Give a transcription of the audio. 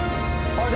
あれ？